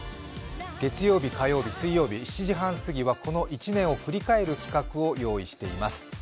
月曜日、火曜日、水曜日、７時半すぎはこの一年を振り返る企画を用意しています。